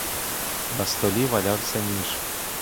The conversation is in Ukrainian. На столі валявся ніж.